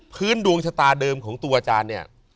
ดวงชะตาเดิมของตัวอาจารย์เนี่ย